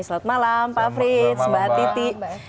selamat malam pak frits mbak titi